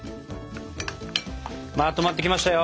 まとまってきましたよ。